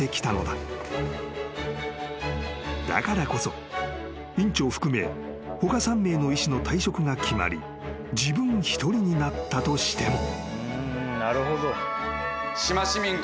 ［だからこそ院長含め他３名の医師の退職が決まり自分一人になったとしても］